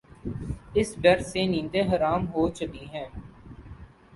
اس ڈر سے نیندیں حرام ہو چلی ہیں۔